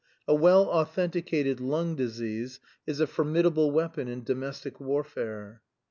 A well authenticated lung disease is a formidable weapon in domestic warfare.